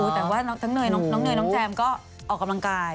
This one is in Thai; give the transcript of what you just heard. แต่ว่าน้องเนยน้องแจมก็ออกกำลังกาย